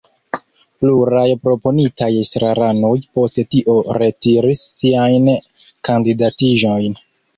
Pluraj proponitaj estraranoj post tio retiris siajn kandidatiĝojn.